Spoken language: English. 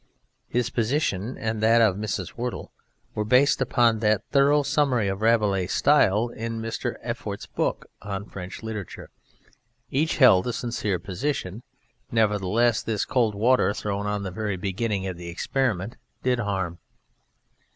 His position and that of Mrs. Whirtle were based upon that thorough summary of Rabelais' style in Mr. Effort's book on French literature: each held a sincere position, nevertheless this cold water thrown on the very beginning of the experiment did harm.